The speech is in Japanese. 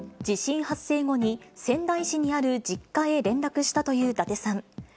地震発生後に、仙台市にある実家へ連絡したという伊達さん。